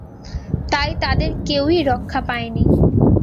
তাই তাদের কেউই রক্ষা পায়নি।